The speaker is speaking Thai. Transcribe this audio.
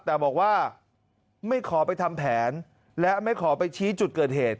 แต่บอกว่าไม่ขอไปทำแผนและไม่ขอไปชี้จุดเกิดเหตุ